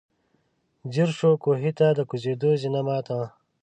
ځير شو، کوهي ته د کوزېدو زينه ماته وه.